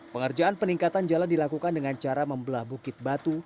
pengerjaan peningkatan jalan dilakukan dengan cara membelah bukit batu